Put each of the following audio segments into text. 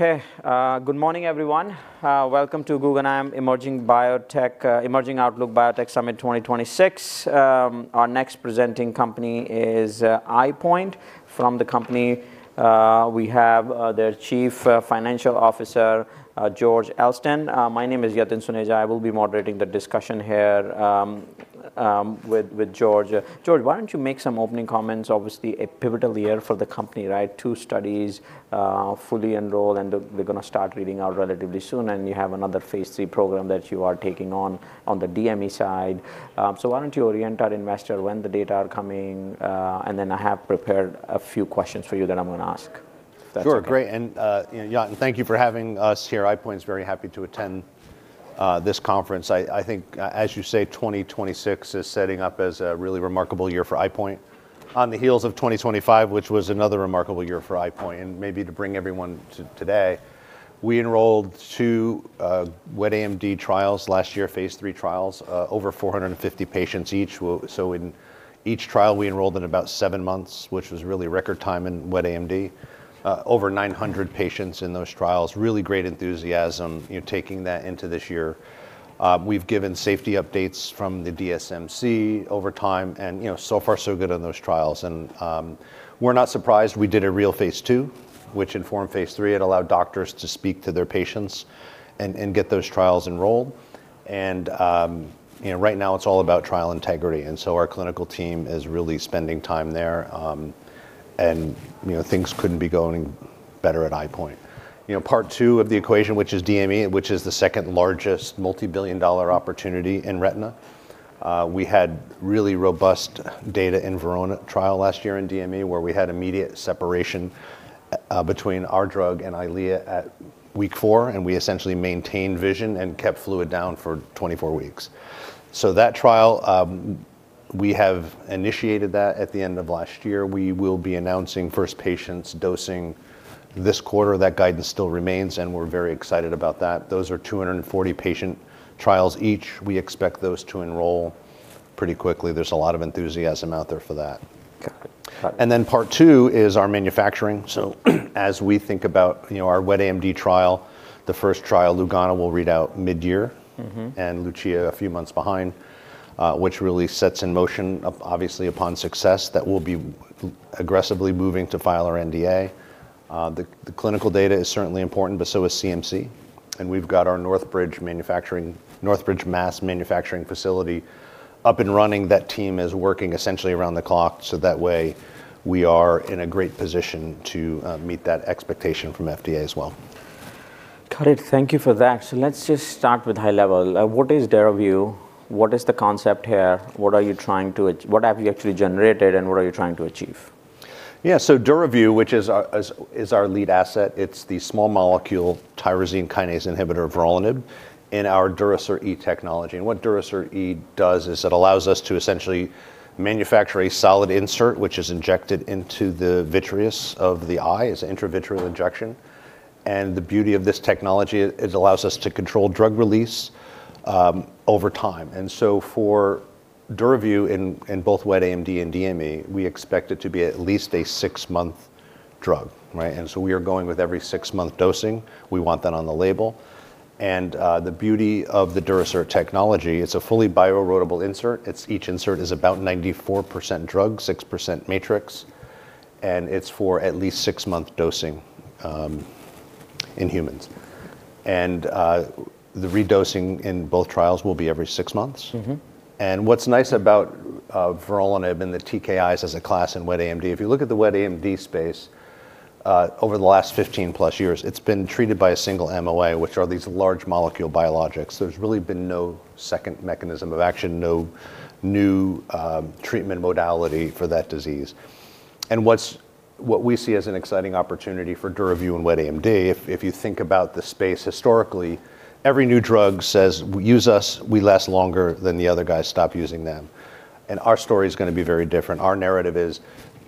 Okay, good morning, everyone. Welcome to Guggenheim Emerging Biotech Emerging Outlook Biotech Summit 2026. Our next presenting company is EyePoint. From the company, we have their Chief Financial Officer, George Elston. My name is Yatin Suneja. I will be moderating the discussion here with George. George, why don't you make some opening comments? Obviously, a pivotal year for the company, right? Two studies fully enrolled, and they're going to start reading out relatively soon, and you have another phase III program that you are taking on on the DME side. So why don't you orient our investor when the data are coming, and then I have prepared a few questions for you that I'm going to ask. Sure, great. Yatin, thank you for having us here. EyePoint's very happy to attend this conference. I think as you say, 2026 is setting up as a really remarkable year for EyePoint. On the heels of 2025, which was another remarkable year for EyePoint, and maybe to bring everyone to today, we enrolled 2 wet AMD trials last year, phase trials, over 450 patients each. So in each trial, we enrolled in about seven months, which was really record time in wet AMD. Over 900 patients in those trials. Really great enthusiasm, you know, taking that into this year. We've given safety updates from the DSMC over time, and, you know, so far, so good on those trials. We're not surprised. We did a real phase II, which informed phase III. It allowed doctors to speak to their patients and get those trials enrolled. You know, right now, it's all about trial integrity, and so our clinical team is really spending time there. You know, things couldn't be going better at EyePoint. You know, part two of the equation, which is DME, which is the second largest multi-billion-dollar opportunity in retina. We had really robust data in VERONA trial last year in DME, where we had immediate separation between our drug and EYLEA at week four, and we essentially maintained vision and kept fluid down for 24 weeks. So that trial, we have initiated that at the end of last year. We will be announcing first patients dosing this quarter. That guidance still remains, and we're very excited about that. Those are 240 patient trials each. We expect those to enroll pretty quickly. There's a lot of enthusiasm out there for that. Got it. Then part two is our manufacturing. As we think about, you know, our wet AMD trial, the first trial, LUGANO, will read out mid-year. Mm-hmm. - and LUCIA a few months behind, which really sets in motion, obviously, upon success, that we'll be aggressively moving to file our NDA. The clinical data is certainly important, but so is CMC, and we've got our Northbridge, Massachusetts manufacturing facility up and running. That team is working essentially around the clock, so that way, we are in a great position to meet that expectation from FDA as well. Got it. Thank you for that. So let's just start with high level. What is DURAVYU? What is the concept here? What are you trying? What have you actually generated, and what are you trying to achieve? Yeah, so DURAVYU, which is our lead asset, it's the small molecule tyrosine kinase inhibitor, vorolanib, in our Durasert E technology. And what Durasert E does is it allows us to essentially manufacture a solid insert, which is injected into the vitreous of the eye. It's an intravitreal injection, and the beauty of this technology is it allows us to control drug release over time. And so for DURAVYU, in both wet AMD and DME, we expect it to be at least a six-month drug, right? And so we are going with every six-month dosing. We want that on the label. And, the beauty of the Durasert technology, it's a fully bio-erodible insert. It's each insert is about 94% drug, 6% matrix, and it's for at least six-month dosing in humans. And, the redosing in both trials will be every six months. Mm-hmm. What's nice about vorolanib and the TKIs as a class in wet AMD, if you look at the wet AMD space over the last 15+ years, it's been treated by a single MOA, which are these large molecule biologics. There's really been no second mechanism of action, no new treatment modality for that disease. What we see as an exciting opportunity for DURAVYU and wet AMD, if you think about the space historically, every new drug says: "Use us, we last longer than the other guys. Stop using them." Our story is going to be very different. Our narrative is: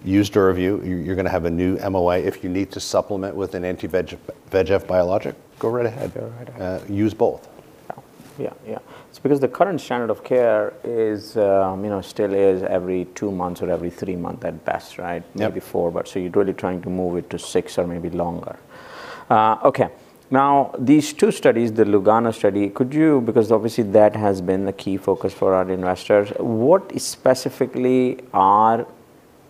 Use DURAVYU. You're going to have a new MOA. If you need to supplement with an anti-VEGF, VEGF biologic, go right ahead. Go right ahead. Use both. Yeah. Yeah, yeah. It's because the current standard of care is, you know, still is every two months or every three months at best, right? Yeah. Maybe four, but so you're really trying to move it to six or maybe longer. Okay, now, these two studies, the LUGANO study, could you, because obviously, that has been the key focus for our investors. What specifically are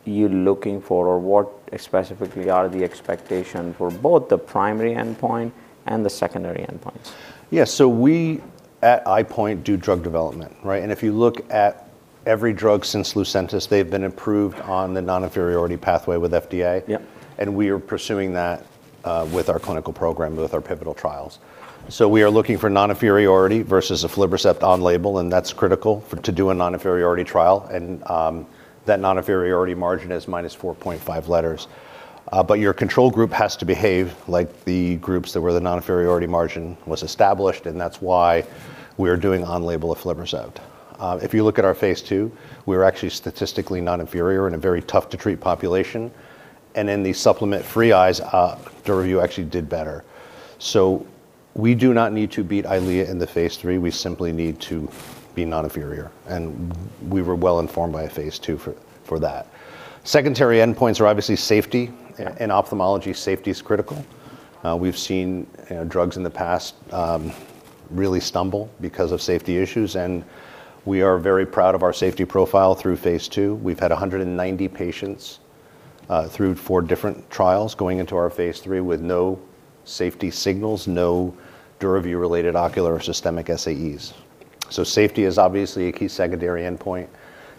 you looking for, or what specifically are the expectation for both the primary endpoint and the secondary endpoints? Yeah, so we at EyePoint do drug development, right? And if you look at every drug since Lucentis, they've been approved on the non-inferiority pathway with FDA. Yeah. We are pursuing that with our clinical program, with our pivotal trials. We are looking for non-inferiority versus aflibercept on-label, and that's critical to do a non-inferiority trial. That non-inferiority margin is -4.5 L. But your control group has to behave like the groups that were the non-inferiority margin was established, and that's why we are doing on-label aflibercept. If you look at our phase II, we were actually statistically non-inferior in a very tough-to-treat population, and in the supplement-free eyes, DURAVYU actually did better. We do not need to beat EYLEA in the phase III, we simply need to be non-inferior, and we were well informed by a phase II for that. Secondary endpoints are obviously safety. Yeah. In ophthalmology, safety is critical. We've seen drugs in the past really stumble because of safety issues, and we are very proud of our safety profile through phase II. We've had 190 patients through four different trials going into our phase III with no safety signals, no DURAVYU-related ocular or systemic SAEs. So safety is obviously a key secondary endpoint,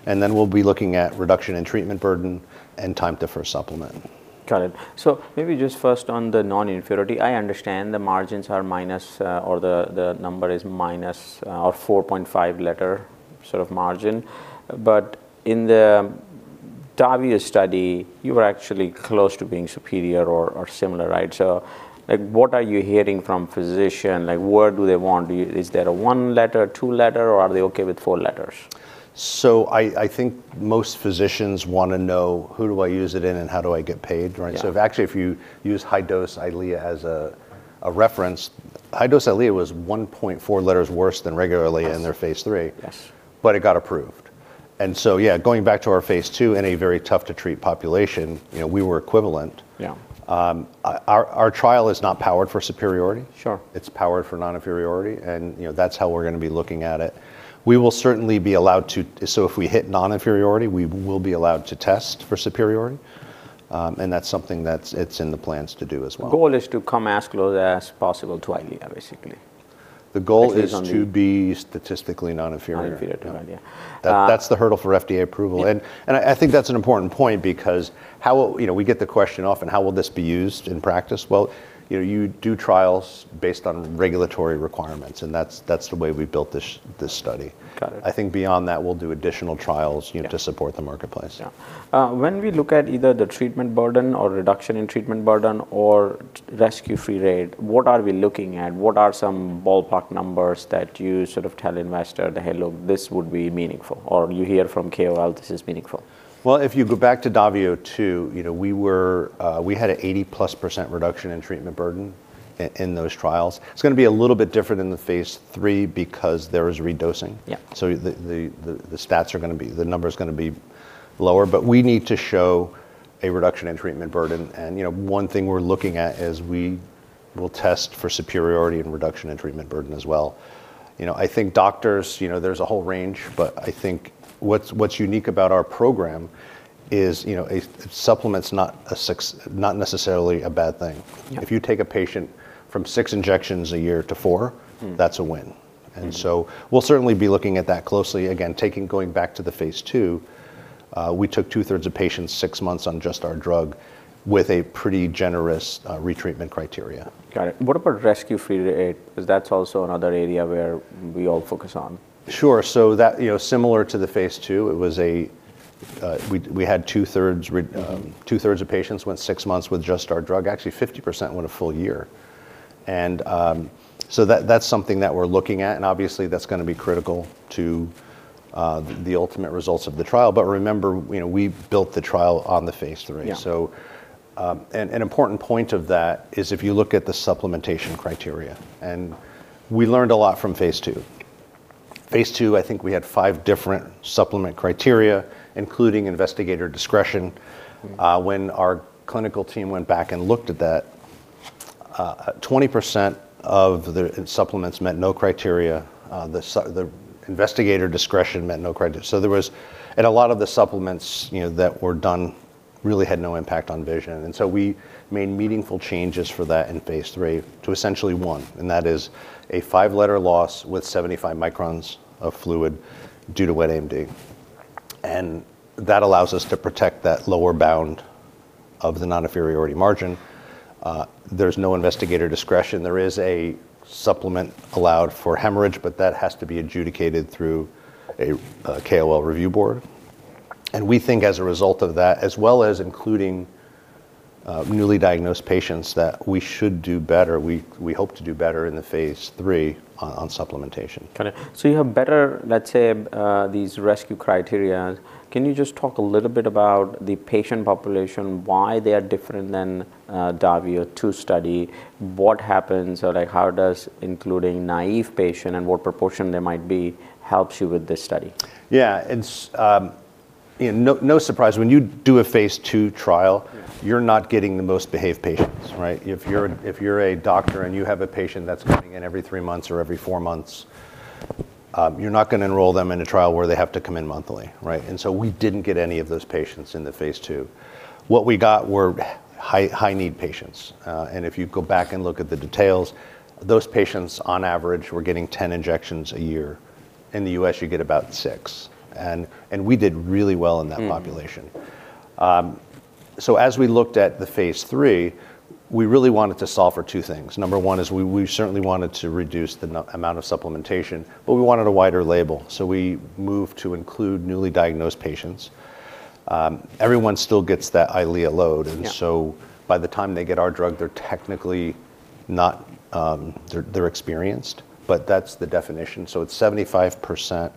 and then we'll be looking at reduction in treatment burden and time to first supplement. Got it. So maybe just first on the non-inferiority. I understand the margins are minus or the number is -4.5 L sort of margin, but in the DAVIO study, you were actually close to being superior or similar, right? So, like, what are you hearing from physician? Like, what do they want? Is there a one-letter, two-letter, or are they okay with four letters? So I think most physicians want to know who do I use it in and how do I get paid, right? Yeah. So if actually, if you use high-dose EYLEA as a reference, high-dose EYLEA was 1.4 L worse than regularly- Yes... in their phase III. Yes. But it got approved. Yeah, going back to our phase II in a very tough-to-treat population, you know, we were equivalent. Yeah. Our trial is not powered for superiority. Sure. It's powered for non-inferiority, and, you know, that's how we're gonna be looking at it. We will certainly be allowed to. So if we hit non-inferiority, we will be allowed to test for superiority, and that's something that's, it's in the plans to do as well. The goal is to come as close as possible to EYLEA, basically. The goal is- Basically... to be statistically non-inferior. Non-inferior, yeah. That's the hurdle for FDA approval. Yeah. I think that's an important point because how... You know, we get the question often: How will this be used in practice? Well, you know, you do trials based on regulatory requirements, and that's the way we built this study. Got it. I think beyond that, we'll do additional trials- Yeah... to support the marketplace. Yeah. When we look at either the treatment burden or reduction in treatment burden or rescue-free rate, what are we looking at? What are some ballpark numbers that you sort of tell investor that, "Hello, this would be meaningful," or you hear from KOL, this is meaningful? Well, if you go back to DAVIO 2, you know, we were, we had a 80%+ reduction in treatment burden in those trials. It's gonna be a little bit different in the phase III because there is redosing. Yeah. So the stats are gonna be... The number is gonna be lower, but we need to show a reduction in treatment burden. You know, one thing we're looking at is we will test for superiority and reduction in treatment burden as well. You know, I think doctors, you know, there's a whole range, but I think what's unique about our program is, you know, a supplement's not necessarily a bad thing. Yeah. If you take a patient from six injections a year to four- Mm... that's a win. Mm-hmm. We'll certainly be looking at that closely. Again, going back to the phase II, we took two-thirds of patients six months on just our drug with a pretty generous retreatment criteria. Got it. What about rescue-free rate? Because that's also another area where we all focus on. Sure. So that, you know, similar to the Phase II, it was a, We had two-thirds Mm. Two-thirds of patients went six months with just our drug. Actually, 50% went a full year. So that, that's something that we're looking at, and obviously, that's gonna be critical to the ultimate results of the trial. But remember, you know, we built the trial on the phase III. Yeah. So, and an important point of that is if you look at the supplementation criteria, and we learned a lot from phase II. Phase II, I think we had five different supplement criteria, including investigator discretion. Mm. When our clinical team went back and looked at that, 20% of the supplements met no criteria. The investigator discretion met no criteria. So there was. And a lot of the supplements, you know, that were done really had no impact on vision, and so we made meaningful changes for that in phase III to essentially one, and that is a 5 L loss with 75 microns of fluid due to wet AMD. And that allows us to protect that lower bound of the non-inferiority margin. There's no investigator discretion. There is a supplement allowed for hemorrhage, but that has to be adjudicated through a KOL review board. And we think as a result of that, as well as including newly diagnosed patients, that we should do better. We hope to do better in the phase III on supplementation. Got it. So you have better, let's say, these rescue criteria. Can you just talk a little bit about the patient population, why they are different than, DAVIO 2 study? What happens or, like, how does including naive patient and what proportion there might be, helps you with this study? Yeah, it's, you know, no, no surprise when you do a phase II trial- Yeah... you're not getting the most behaved patients, right? If you're a doctor and you have a patient that's coming in every three months or every four months, you're not gonna enroll them in a trial where they have to come in monthly, right? And so we didn't get any of those patients in the phase II. What we got were high, high-need patients. And if you go back and look at the details, those patients, on average, were getting 10 injections a year. In the U.S., you get about six, and we did really well in that population. Mm. So as we looked at the phase III, we really wanted to solve for two things. Number one is we certainly wanted to reduce the amount of supplementation, but we wanted a wider label, so we moved to include newly diagnosed patients. Everyone still gets that EYLEA load- Yeah... and so by the time they get our drug, they're technically not... They're, they're experienced, but that's the definition. So it's 75%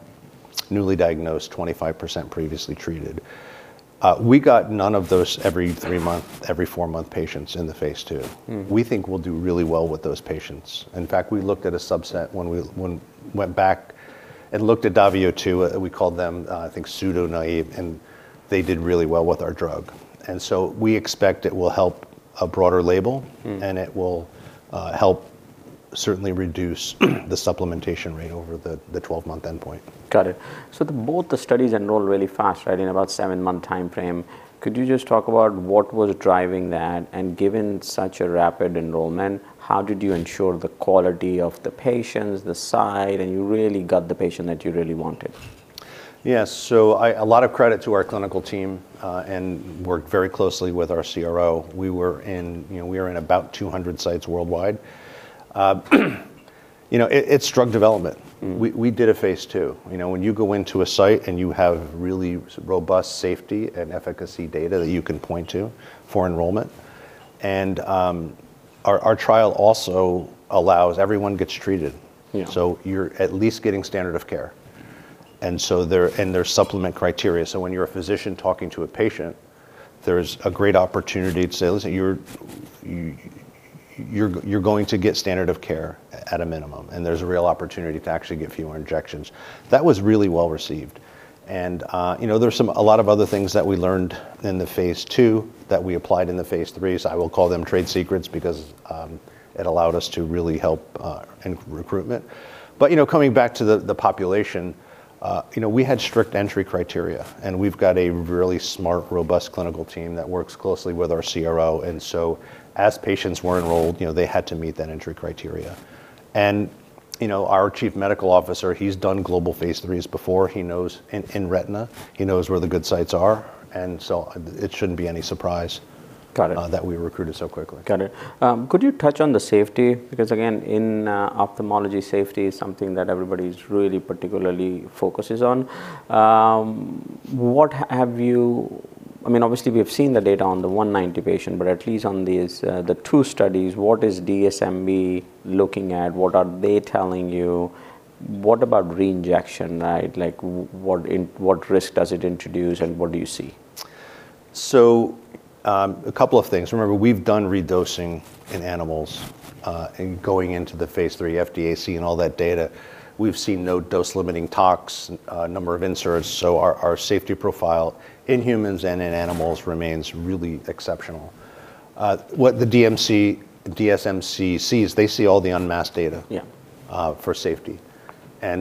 newly diagnosed, 25% previously treated. We got none of those every three-month, every four-month patients in the phase II. Mm. We think we'll do really well with those patients. In fact, we looked at a subset when we went back and looked at DAVIO 2, we called them, I think pseudo-naive, and they did really well with our drug. And so we expect it will help a broader label- Mm. and it will help certainly reduce the supplementation rate over the twelve-month endpoint. Got it. So both the studies enrolled really fast, right? In about seven-month timeframe. Could you just talk about what was driving that? And given such a rapid enrollment, how did you ensure the quality of the patients, the site, and you really got the patient that you really wanted? Yes. So a lot of credit to our clinical team, and worked very closely with our CRO. We were in, you know, we were in about 200 sites worldwide. You know, it's drug development. Mm. We did a Phase II. You know, when you go into a site, and you have really robust safety and efficacy data that you can point to for enrollment, and our trial also allows everyone gets treated. Yeah. So you're at least getting standard of care. And so there's supplemental criteria, so when you're a physician talking to a patient, there's a great opportunity to say, "Listen, you're going to get standard of care at a minimum, and there's a real opportunity to actually get fewer injections." That was really well received. And you know, there's a lot of other things that we learned in the phase II that we applied in the phase III, so I will call them trade secrets because it allowed us to really help in recruitment. But you know, coming back to the population, you know, we had strict entry criteria, and we've got a really smart, robust clinical team that works closely with our CRO, and so as patients were enrolled, you know, they had to meet that entry criteria. You know, our Chief Medical Officer, he's done global phase IIIs before. He knows in, in retina, he knows where the good sites are, and so it shouldn't be any surprise- Got it. - that we recruited so quickly. Got it. Could you touch on the safety? Because, again, in ophthalmology, safety is something that everybody's really particularly focuses on. What have you... I mean, obviously, we have seen the data on the 190 patient, but at least on these, the two studies, what is DSMB looking at? What are they telling you? What about re-injection, right? Like, what risk does it introduce, and what do you see? So, a couple of things. Remember, we've done redosing in animals, and going into the phase III FDA and all that data, we've seen no dose-limiting tox, number of inserts, so our, our safety profile in humans and in animals remains really exceptional. What the DMC, DSMC sees, they see all the unmasked data- Yeah... for safety.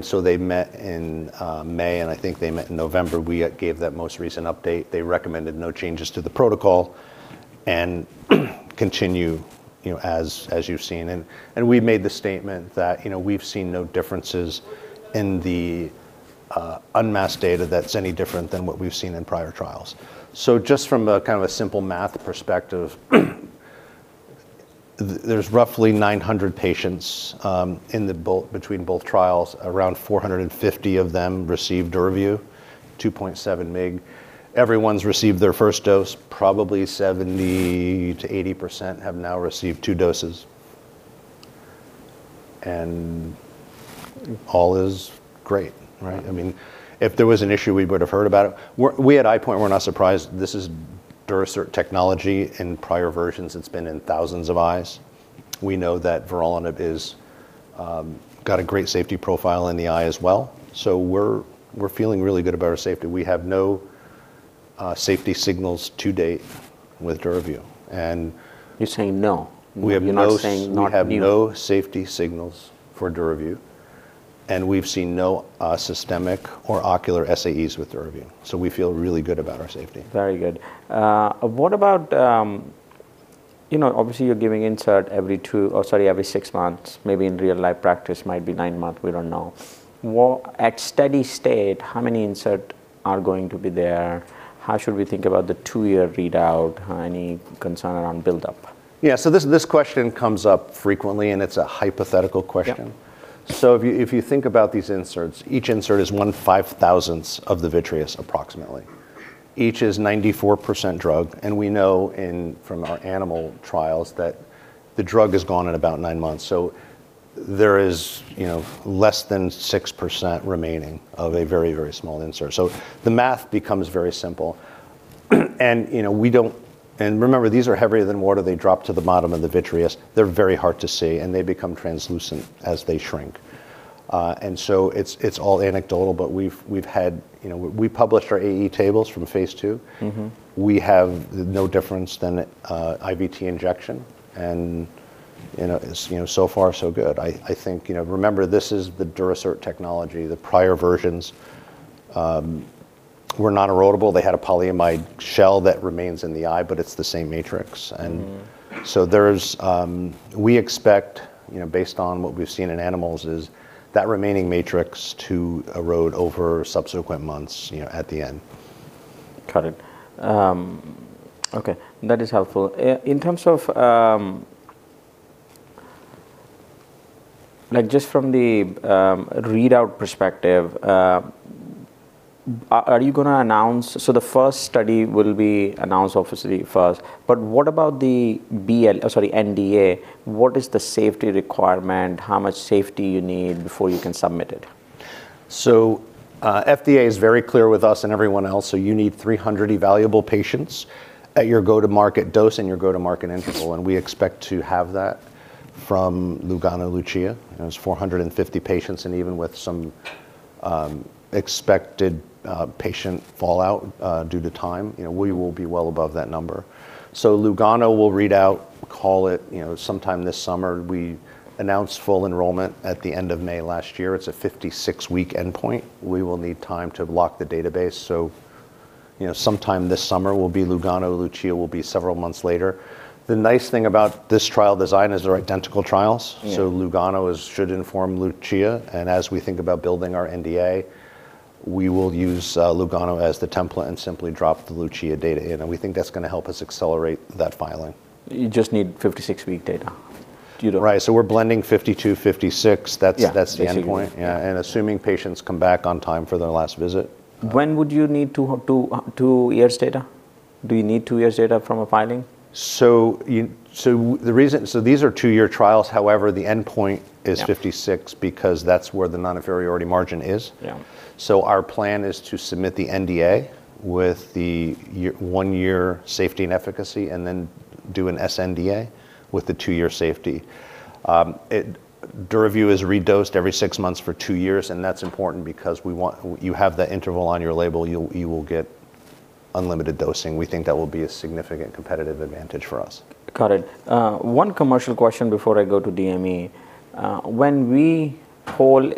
So they met in May, and I think they met in November. We gave that most recent update. They recommended no changes to the protocol and continue, you know, as you've seen. And we've made the statement that, you know, we've seen no differences in the unmasked data that's any different than what we've seen in prior trials. So just from a kind of a simple math perspective, there's roughly 900 patients in both between both trials. Around 450 of them received DURAVYU, 2.7 mg. Everyone's received their first dose. Probably 70%-80% have now received two doses. And all is great, right? I mean, if there was an issue, we would have heard about it. We're, we at EyePoint, we're not surprised. This is Durasert technology. In prior versions, it's been in thousands of eyes. We know that vorolanib got a great safety profile in the eye as well, so we're feeling really good about our safety. We have no safety signals to date with DURAVYU, and- You're saying no? We have no- You're not saying not new. We have no safety signals for DURAVYU, and we've seen no systemic or ocular SAEs with DURAVYU, so we feel really good about our safety. Very good. What about, you know, obviously, you're giving insert every two, or sorry, every six months. Maybe in real-life practice, might be nine months, we don't know. At steady state, how many insert are going to be there? How should we think about the two-year readout? Any concern around buildup? Yeah, so this question comes up frequently, and it's a hypothetical question. Yep. So if you think about these inserts, each insert is 1/5,000th of the vitreous, approximately. Each is 94% drug, and we know from our animal trials that the drug is gone in about nine months, so there is, you know, less than 6% remaining of a very, very small insert. So the math becomes very simple, and, you know, we don't... And remember, these are heavier than water. They drop to the bottom of the vitreous. They're very hard to see, and they become translucent as they shrink. And so it's all anecdotal, but we've had... You know, we published our AE tables from phase 2. Mm-hmm. We have no difference than a IVT injection, and you know, it's you know, so far so good. I think, you know, remember, this is the Durasert technology. The prior versions were non-erodible. They had a polyimide shell that remains in the eye, but it's the same matrix. Mm-hmm. And so there's, we expect, you know, based on what we've seen in animals, is that remaining matrix to erode over subsequent months, you know, at the end. Got it. Okay, that is helpful. In terms of, like, just from the readout perspective... Are you going to announce—So the first study will be announced obviously first, but what about the BL—oh, sorry, NDA? What is the safety requirement? How much safety you need before you can submit it? So, FDA is very clear with us and everyone else, so you need 300 evaluable patients at your go-to-market dose and your go-to-market interval, and we expect to have that from LUGANO-LUCIA. And it's 450 patients, and even with some expected patient fallout due to time, you know, we will be well above that number. So LUGANO will read out, call it, you know, sometime this summer. We announced full enrollment at the end of May last year. It's a 56-week endpoint. We will need time to block the database, so, you know, sometime this summer will be LUGANO, LUCIA will be several months later. The nice thing about this trial design is they're identical trials. Yeah. So LUGANO is, should inform LUCIA, and as we think about building our NDA, we will use LUGANO as the template and simply drop the LUCIA data in, and we think that's going to help us accelerate that filing. You just need 56-week data? You don't- Right. So we're blending 52, 56. Yeah. That's the endpoint. Yeah. Yeah, and assuming patients come back on time for their last visit. When would you need two years' data? Do you need two years' data from a filing? So these are two-year trials. However, the endpoint is- Yeah... 56 because that's where the non-inferiority margin is. Yeah. So our plan is to submit the NDA with the one-year safety and efficacy, and then do an sNDA with the two-year safety. DURAVYU is redosed every six months for two years, and that's important because we want, you have the interval on your label, you'll, you will get unlimited dosing. We think that will be a significant competitive advantage for us. Got it. One commercial question before I go to DME. When we poll,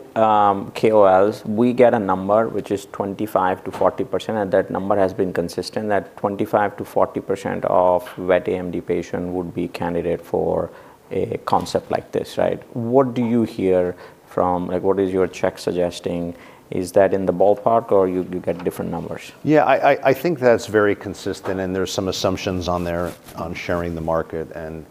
KOLs, we get a number which is 25%-40%, and that number has been consistent, that 25%-40% of wet AMD patient would be candidate for a concept like this, right? What do you hear from like, what is your check suggesting? Is that in the ballpark, or you, you get different numbers? Yeah, I think that's very consistent, and there's some assumptions on there on sharing the market and...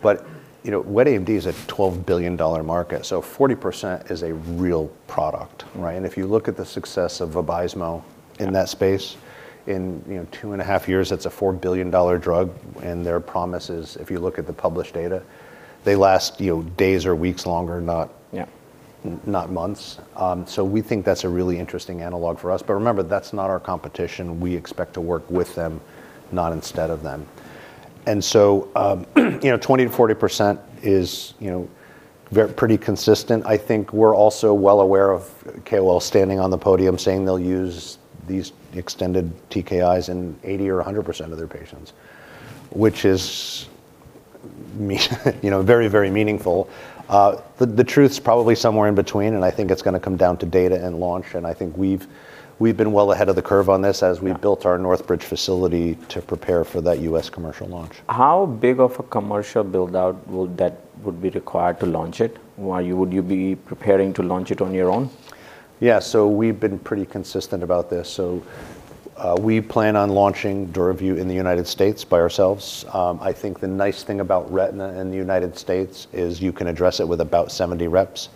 But, you know, wet AMD is a $12 billion market, so 40% is a real product, right? And if you look at the success of VABYSMO in that space, in, you know, two and a half years, it's a $4 billion drug. And their promise is, if you look at the published data, they last, you know, days or weeks longer, not- Yeah ... not months. So we think that's a really interesting analog for us. But remember, that's not our competition. We expect to work with them, not instead of them. And so, you know, 20%-40% is, you know, very pretty consistent. I think we're also well aware of KOL standing on the podium saying they'll use these extended TKIs in 80% or 100% of their patients, which is, you know, very, very meaningful. The truth's probably somewhere in between, and I think it's going to come down to data and launch, and I think we've been well ahead of the curve on this as we- Yeah... built our Northbridge facility to prepare for that U.S. commercial launch. How big of a commercial build-out would that be required to launch it? Why would you be preparing to launch it on your own? Yeah. So we've been pretty consistent about this. So, we plan on launching DURAVYU in the United States by ourselves. I think the nice thing about retina in the United States is you can address it with about 70 reps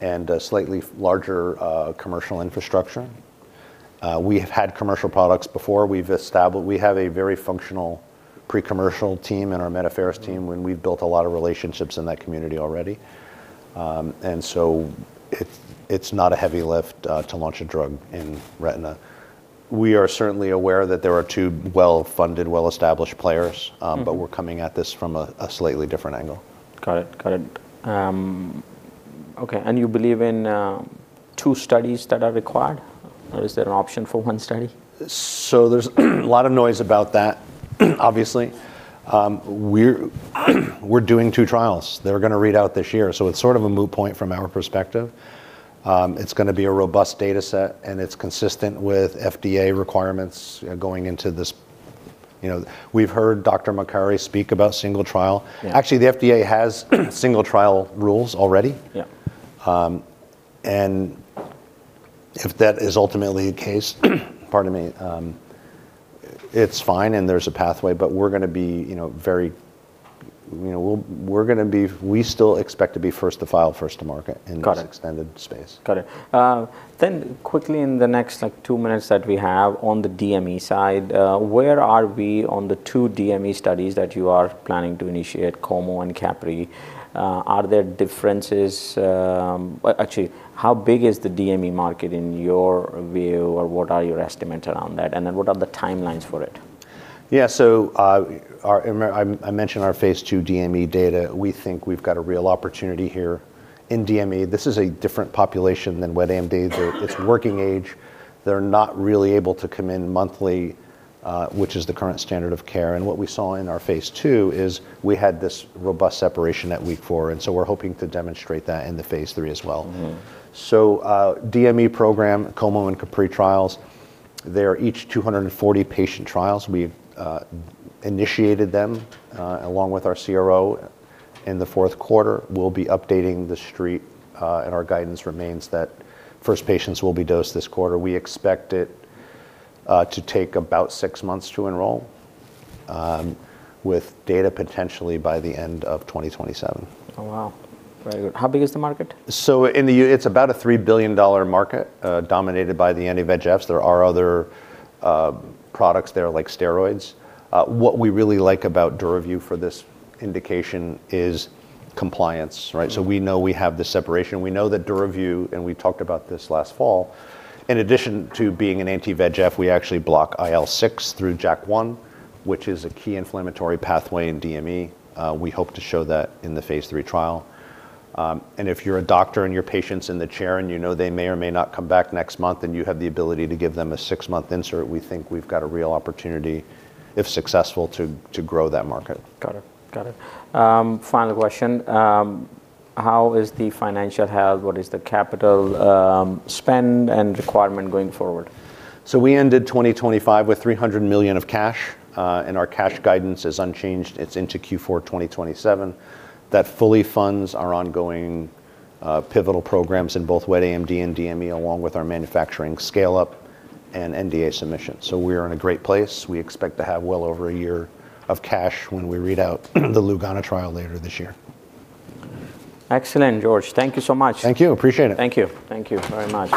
and a slightly larger commercial infrastructure. We have had commercial products before. We've established- we have a very functional pre-commercial team and our medical affairs team, and we've built a lot of relationships in that community already. And so it, it's not a heavy lift to launch a drug in retina. We are certainly aware that there are two well-funded, well-established players- Mm-hmm... but we're coming at this from a slightly different angle. Got it. Got it. Okay, and you believe in two studies that are required? Yeah. Or is there an option for one study? So there's a lot of noise about that, obviously. We're doing two trials. They're gonna read out this year, so it's sort of a moot point from our perspective. It's gonna be a robust data set, and it's consistent with FDA requirements, going into this, you know, we've heard Dr. Macari speak about single trial. Yeah. Actually, the FDA has single trial rules already. Yeah. And if that is ultimately the case, pardon me, it's fine, and there's a pathway, but we're gonna be, you know, very... You know, we'll, we're gonna be-- we still expect to be first to file, first to market- Got it... in this extended space. Got it. Then quickly in the next, like, two minutes that we have on the DME side, where are we on the two DME studies that you are planning to initiate, COMO and CAPRI? Are there differences? Actually, how big is the DME market in your view, or what are your estimates around that, and then what are the timelines for it? Yeah. So, I mentioned our phase 2 DME data. We think we've got a real opportunity here in DME. This is a different population than wet AMD. It's working age. They're not really able to come in monthly, which is the current standard of care. And what we saw in our phase II is we had this robust separation at week four, and so we're hoping to demonstrate that in the phase II as well. Mm-hmm. So, DME program, COMO and CAPRI trials, they're each 240 patient trials. We've initiated them along with our CRO in the fourth quarter. We'll be updating the street, and our guidance remains that first patients will be dosed this quarter. We expect it to take about six months to enroll, with data potentially by the end of 2027. Oh, wow! Very good. How big is the market? So in the U.S., it's about a $3 billion market, dominated by the anti-VEGFs. There are other products there, like steroids. What we really like about DURAVYU for this indication is compliance, right? Mm-hmm. So we know we have the separation. We know that DURAVYU, and we talked about this last fall, in addition to being an anti-VEGF, we actually block IL-6 through JAK1, which is a key inflammatory pathway in DME. We hope to show that in the phase III trial. And if you're a doctor and your patient's in the chair, and you know they may or may not come back next month, and you have the ability to give them a six-month insert, we think we've got a real opportunity, if successful, to grow that market. Got it. Got it. Final question. How is the financial health? What is the capital spend and requirement going forward? We ended 2025 with $300 million of cash, and our cash guidance is unchanged. It's into Q4 2027, that fully funds our ongoing pivotal programs in both wet AMD and DME, along with our manufacturing scale-up and NDA submission. We are in a great place. We expect to have well over a year of cash when we read out the LUGANO trial later this year. Excellent, George. Thank you so much. Thank you. Appreciate it. Thank you. Thank you very much.